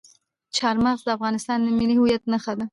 چار مغز د افغانستان د ملي هویت نښه ده.